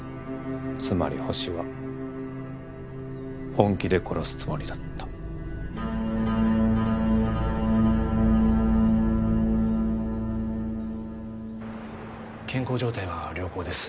つまりホシは本気で殺すつもりだった・健康状態は良好です